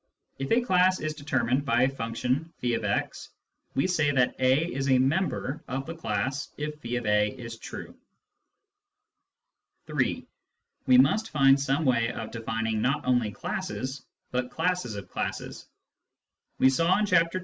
(If a class is determined by a function (f>x, we say that a is a " member " of the class if <j>a is true.) (3) We must find some way of defining not only classes, but classes of classes. We saw in Chapter II.